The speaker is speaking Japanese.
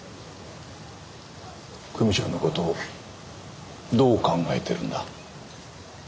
久美ちゃんのことどう考えてるんだ？